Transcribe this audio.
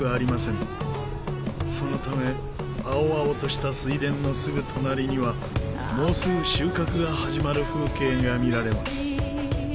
そのため青々とした水田のすぐ隣にはもうすぐ収穫が始まる風景が見られます。